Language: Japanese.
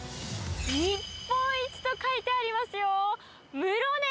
日本一と書いてありますよ。